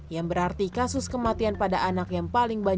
yang berarti kasus kematian pada anak yang paling banyak